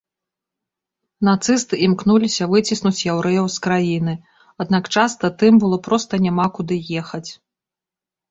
Нацысты імкнуліся выціснуць яўрэяў з краіны, аднак часта тым было проста няма куды ехаць.